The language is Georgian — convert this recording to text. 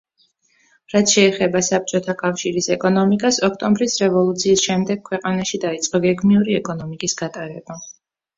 რაც შეეხება საბჭოთა კავშირის ეკონომიკას, ოქტომბრის რევოლუციის შემდეგ ქვეყანაში დაიწყო გეგმიური ეკონომიკის გატარება.